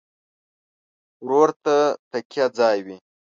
ورور د تکیه ځای وي.